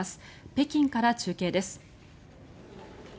北京から中継です。